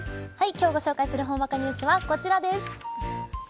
今日ご紹介するほんわかニュースはこちらです。